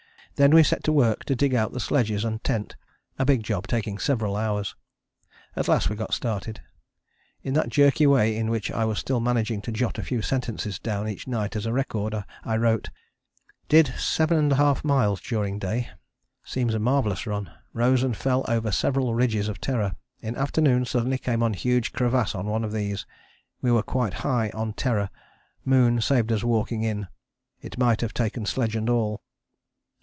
Then we set to work to dig out the sledges and tent, a big job taking several hours. At last we got started. In that jerky way in which I was still managing to jot a few sentences down each night as a record, I wrote: "Did 7½ miles during day seems a marvellous run rose and fell over several ridges of Terror in afternoon suddenly came on huge crevasse on one of these we were quite high on Terror moon saved us walking in it might have taken sledge and all."